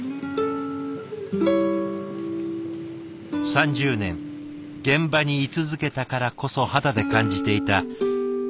３０年現場に居続けたからこそ肌で感じていた終わりの予感。